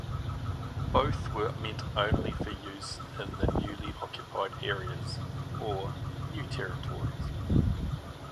Both were meant only for use in the newly occupied areas, or "New Territories".